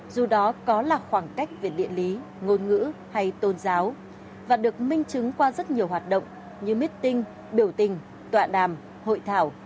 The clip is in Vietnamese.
dù đó có là khoảng cách về địa lý ngôn ngữ hay tôn giáo và được minh chứng qua rất nhiều hoạt động như meeting biểu tình tọa đàm hội thảo